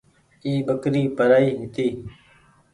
اي ٻڪري پرآئي هيتي۔